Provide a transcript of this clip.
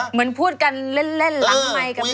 เหมือนพูดกันเล่นหลังไมกับนักเท้า